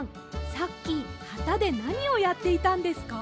さっきはたでなにをやっていたんですか？